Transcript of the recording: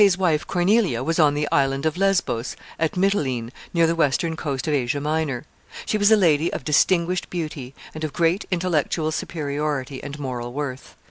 ] Pompey's wife Cornelia was on the island of Lesbos, at Mitylene, near the western coast of Asia Minor. She was a lady of distinguished beauty, and of great intellectual superiority and moral worth.